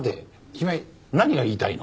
君は何が言いたいの？